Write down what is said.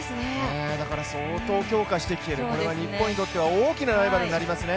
相当強化してきている、これは日本にとっては大きなライバルになりますね。